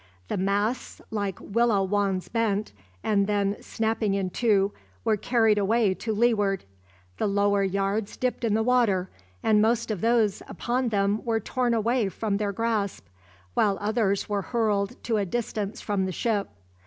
The masts like willow wands bent, and then, snapping in two, were carried away to leeward. The lower yards dipped in the water, and most of those upon them were torn away from their grasp, while others were hurled to a distance from the ship.